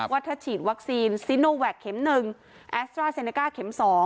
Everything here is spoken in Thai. ว่าถ้าฉีดวัคซีนซีโนแวคเข็ม๑แอสตราเซเนก้าเข็ม๒